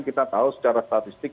kita tahu secara statistik